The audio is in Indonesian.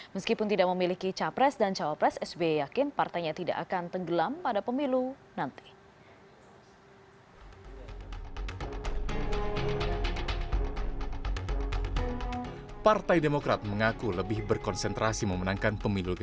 meskipun tidak memiliki capres dan cawapres sbi yakin partainya tidak akan tenggelam pada pemilu nanti